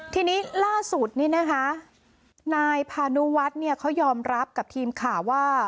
ทีนี้ล่าสุดนี่นะคะนายพานุวัฒน์เขายอมรับกับทีมข่าวว่า